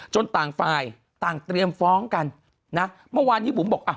ต่างฝ่ายต่างเตรียมฟ้องกันนะเมื่อวานนี้บุ๋มบอกอ่ะ